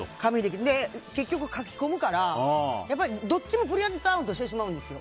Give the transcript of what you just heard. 結局、書き込むからどっちもプリントアウトをしてしまうんですよ。